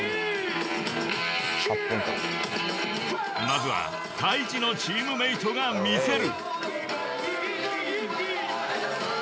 ［まずはＴａｉｃｈｉのチームメートが見せる］